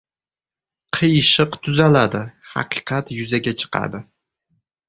• Qiyshiq tuzaladi, haqiqat yuzaga chiqadi.